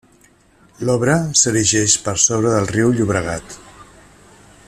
L'obra s'erigeix per sobre del riu Llobregat.